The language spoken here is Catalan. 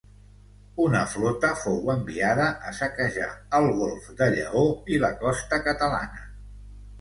Una flota fou enviada a saquejar el golf de Lleó i la costa catalana.